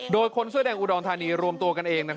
โดยคนเสื้อแดงอุดรธานีรวมตัวกันเอง